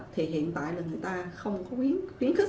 thì hiện tại là người ta không khuyến khích